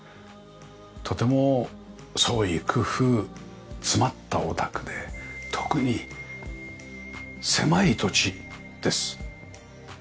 とても創意工夫詰まったお宅で特に狭い土地です。